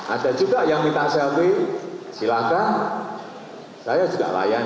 ada juga yang minta selfie silahkan saya juga layani